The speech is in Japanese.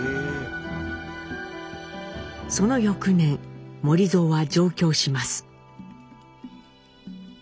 その翌年守造は上京します。